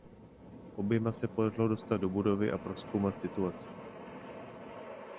Oběma se podařilo dostat do budovy a prozkoumat situaci.